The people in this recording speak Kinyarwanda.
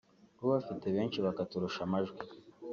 bo bafite benshi bakaturusha amajwi